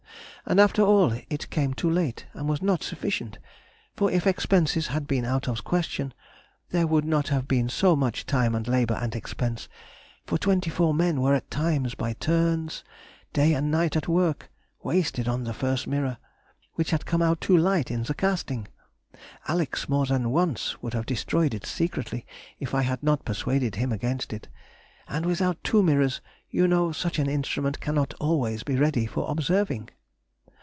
And after all it came too late, and was not sufficient; for if expenses had been out of question, there would not have been so much time and labour and expense, for twenty four men were at times by turns day and night at work, wasted on the first mirror, which had come out too light in the casting (Alex more than once would have destroyed it secretly if I had not persuaded him against it), and without two mirrors you know such an instrument cannot be always ready for observing.